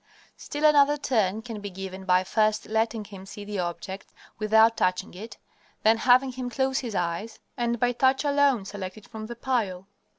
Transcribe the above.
Still another turn can be given by first letting him see the object, without touching it, then having him close his eyes, and by touch alone select it from the pile.